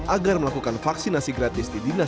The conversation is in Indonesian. agar melakukan vaksinasi gratis di dinas